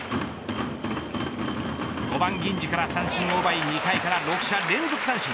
５番銀次から三振を奪い２回から６者連続三振。